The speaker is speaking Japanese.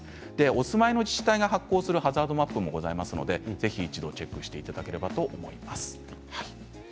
お住まいの自治体が発行するハザードマップもありますのでぜひ一度チェックしていただければと思います。